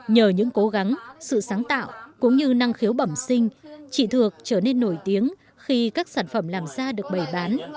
nhờ những cố gắng sự sáng tạo cũng như năng khiếu bẩm sinh chị thực trở nên nổi tiếng khi các sản phẩm làm ra được bày bán